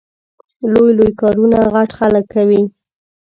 لوی لوی کارونه غټ خلګ کوي